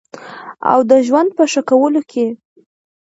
او د ژوند په ښه کولو کې